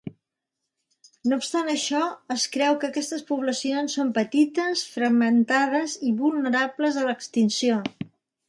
No obstant això, es creu que aquestes poblacions són petites, fragmentades i vulnerables a l’extinció.